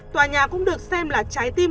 tòa nhà cũng được xem là trái tim